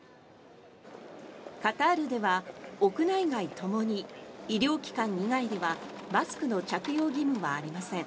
カタールでは屋内外ともに医療機関以外ではマスクの着用義務はありません。